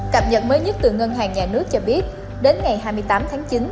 cập nhật mới nhất từ ngân hàng nhà nước cho biết đến ngày hai mươi tám tháng chín